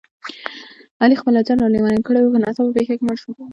علي خپل اجل را لېونی کړی و، په ناڅاپي پېښه کې مړ شو.